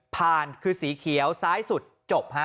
๑ผ่านคือสีเขียวซ้ายสุดจบ